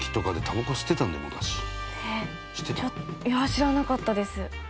芦田：いや、知らなかったです。